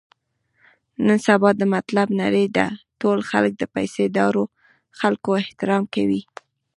نن سبا د مطلب نړۍ ده، ټول خلک د پیسه دارو خلکو احترام کوي.